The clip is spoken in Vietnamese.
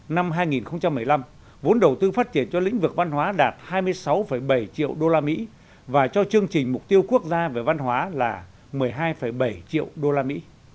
năm hai nghìn một mươi năm vốn đầu tư phát triển cho lĩnh vực văn hóa đạt hai mươi sáu bảy triệu đô la mỹ và cho chương trình mục tiêu quốc gia về văn hóa là một mươi hai bảy triệu usd